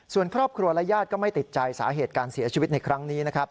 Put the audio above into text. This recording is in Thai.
ส่วนครอบครัวและญาติก็ไม่ติดใจสาเหตุการเสียชีวิตในครั้งนี้นะครับ